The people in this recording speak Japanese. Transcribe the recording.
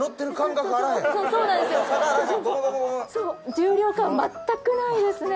重量感全くないですね。